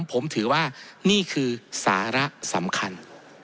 ผมถือว่านี่คือสาระสำคัญ